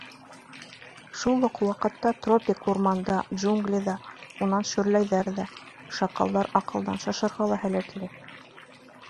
Шул уҡ ваҡытта тропик урманда, джунглиҙа, унан шөрләйҙәр ҙә — шакалдар аҡылдан шашырға ла һәләтле.